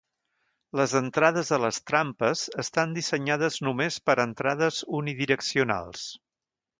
Les entrades a les trampes estan dissenyades només per a entrades unidireccionals.